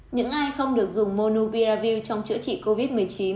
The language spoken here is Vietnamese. những ai không được dùng monubiravill trong chữa trị covid một mươi chín